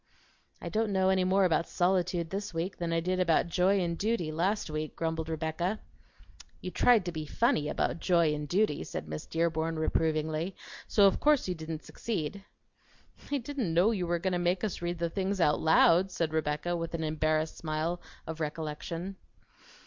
"I don't know any more about solitude this week than I did about joy and duty last week," grumbled Rebecca. "You tried to be funny about joy and duty," said Miss Dearborn reprovingly; "so of course you didn't succeed." "I didn't know you were going to make us read the things out loud," said Rebecca with an embarrassed smile of recollection.